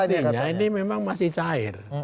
jadi artinya ini memang masih cair